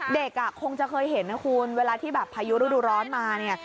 เด็กคงจะเคยเห็นนะคุณเวลาที่แบบพายุฤดูร้อนมาเนี่ย